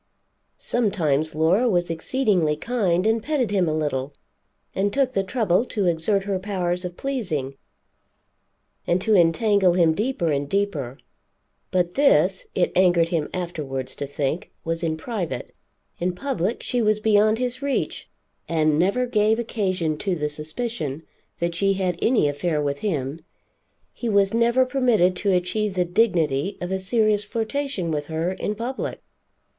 Sometimes Laura was exceedingly kind and petted him a little, and took the trouble to exert her powers of pleasing, and to entangle him deeper and deeper. But this, it angered him afterwards to think, was in private; in public she was beyond his reach, and never gave occasion to the suspicion that she had any affair with him. He was never permitted to achieve the dignity of a serious flirtation with her in public.